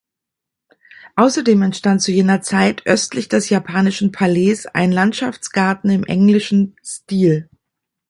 Außerdem entstand zu jener Zeit östlich des Japanischen Palais ein Landschaftsgarten im Englischen Stil.